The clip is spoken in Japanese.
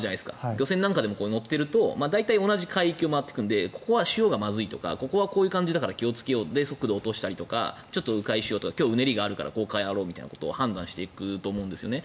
漁船なんかでも乗っていると同じ海域を回るのでここは潮がまずいとかここはこういう感じだから気をつけようって速度を落としたりとかちょっと迂回しようとか今日はうねりがあるからこうやろうと判断していくんだと思うんですね。